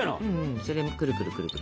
それをくるくるくるくる。